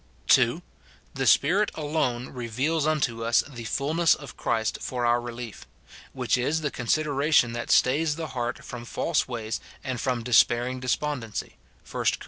(2.) The Spirit alone reveals unto us the fulness of Christ for our relief; which is the consideration that stays the heart from false ways and from despairing despondency, 1 Cor.